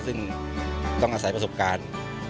ซึ่งต้องอาศัยประสบการณ์